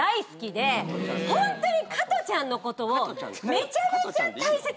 でホントに。